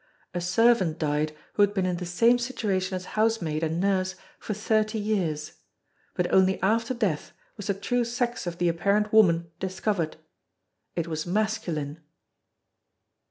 A servant died who had been in the same situation as housemaid and nurse for thirty years. But only after death was the true sex of the apparent woman discovered. It was masculine!